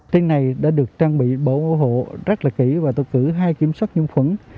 tiếng này đã được trang bị bảo ủng hộ rất là kỹ và tự cử hai kiểm soát nhiễm quẩn